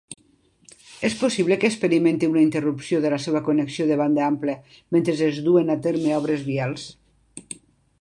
És possible que experimenti una interrupció de la seva connexió de banda ampla mentre es duem a terme obres vials.